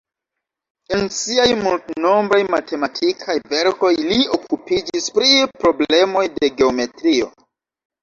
En siaj multnombraj matematikaj verkoj li okupiĝis pri problemoj de geometrio.